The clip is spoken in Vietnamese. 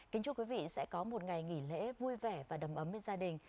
kính chúc quý vị sẽ có một ngày nghỉ lễ vui vẻ và đầm ấm bên gia đình